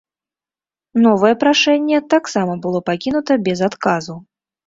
Новае прашэнне таксама было пакінута без адказу.